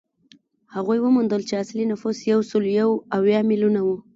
هغوی وموندل چې اصلي نفوس یو سل یو اویا میلیونه و